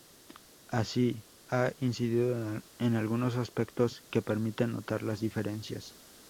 Así, ha incidido en algunos aspectos que permiten notar las diferencias.